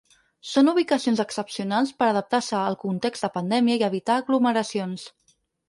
Són ubicacions excepcionals per a adaptar-se al context de pandèmia i evitar aglomeracions.